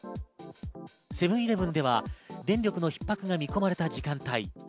セブンイレブンでは電力のひっ迫が見込まれた時間帯。